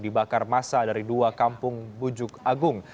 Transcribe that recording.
dibakar masa dari dua kampung bujuk agung